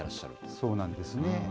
そうなんですね。